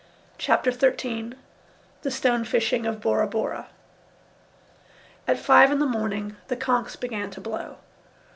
CHAPTER XIII THE STONE FISHING OF BORA BORA At five in the morning the conches began to blow.